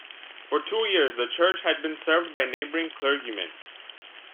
For two years the church had been served by neighboring clergymen.